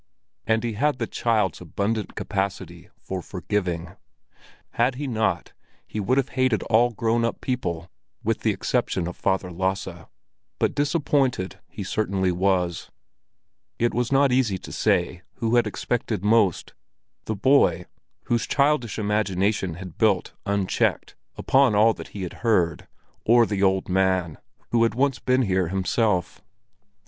And he had the child's abundant capacity for forgiving; had he not he would have hated all grown up people with the exception of Father Lasse. But disappointed he certainly was. It was not easy to say who had expected most—the boy, whose childish imagination had built, unchecked, upon all that he had heard, or the old man, who had once been here himself.